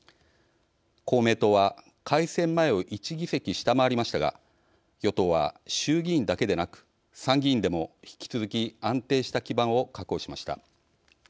公明党は改選前を１議席下回りましたが与党は衆議院だけでなく参議院でも引き続き安定した基盤を確保しました。